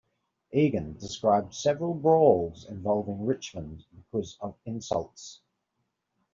Egan described several brawls involving Richmond because of insults.